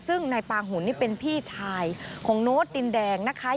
ซึ่งนายปางหุ่นนี่เป็นพี่ชายของโน้ตดินแดงนะคะ